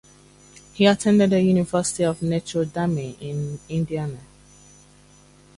He attended the University of Notre Dame in Indiana.